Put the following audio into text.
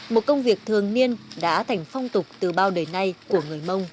một công việc thường niên đã thành phong tục từ bao đời nay của người mông